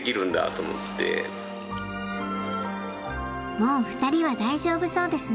もうふたりは大丈夫そうですね。